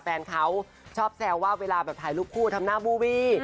แฟนเขาชอบแซวว่าเวลาแบบถ่ายรูปคู่ทำหน้าบูวี่